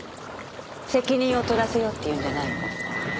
責任を取らせようっていうんじゃないの。